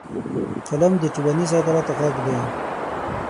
قلم د ټولنیز عدالت غږ دی